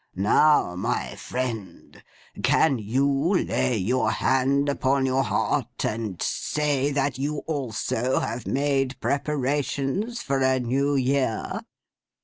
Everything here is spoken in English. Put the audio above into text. Now, my friend, can you lay your hand upon your heart, and say, that you also have made preparations for a New Year?